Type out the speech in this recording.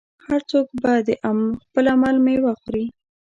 هر څوک به د خپل عمل میوه خوري.